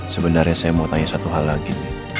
sebenarnya saya mau tanya satu hal lagi